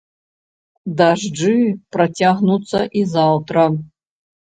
Дажджы працягнуцца і заўтра.